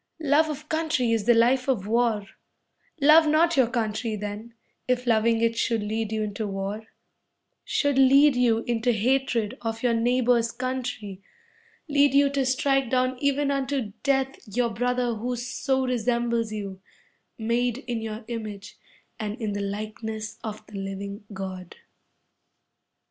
Love of country is the life of war; Love not your country then, If loving it should lead you into war Should lead you into hatred Of your neighbor's country lead you To strike down even unto death Your brother who so resembles you, Made in your image, and in the likeness Of the living God.